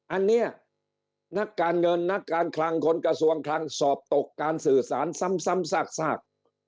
อันนี้นักการเงินนักการคลังคนกระทรวงคลังสอบตกการสื่อสารซ้ำซาก